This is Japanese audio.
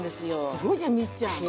すごいじゃんミッちゃん。